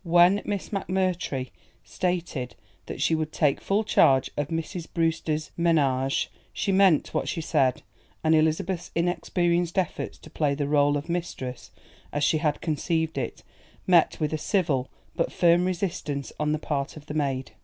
When Miss McMurtry stated that she would take full charge of Mrs. Brewster's ménage she meant what she said, and Elizabeth's inexperienced efforts to play the rôle of mistress, as she had conceived it, met with a civil but firm resistance on the part of the maid.